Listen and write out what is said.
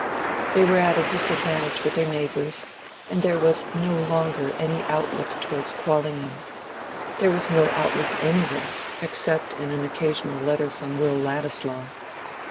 They were at a disadvantage with their neighbors, and there was no longer any outlook towards Quallingham—there was no outlook anywhere except in an occasional letter from Will Ladislaw.